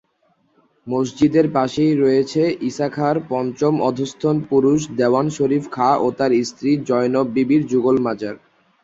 মসজিদের পাশেই রয়েছে ঈশা খাঁ'র পঞ্চম অধস্তন পুরুষ দেওয়ান শরীফ খাঁ ও তার স্ত্রী জয়নব বিবির যুগল মাজার।